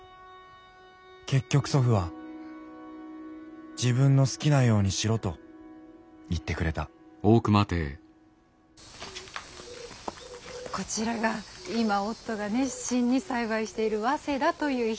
結局祖父は自分の好きなようにしろと言ってくれたこちらが今夫が熱心に栽培している早稲田という品種なんです。